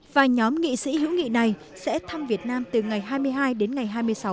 và nhóm nghị sĩ hữu nghị này sẽ thăm việt nam từ ngày hai mươi hai đến ngày hai mươi sáu tháng